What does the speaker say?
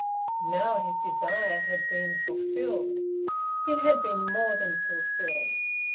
Now his desire had been fulfilled; it had been more than fulfilled.